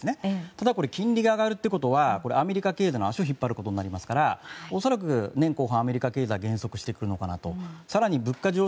ただ金利が上がるということはアメリカ経済の足を引っ張ることになりますから恐らく年の後半アメリカ経済は減少していくのかなと。